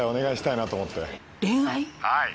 はい。